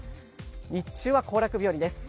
日中は行楽日和です。